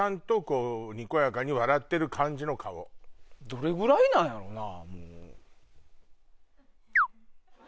どれぐらいなんやろな？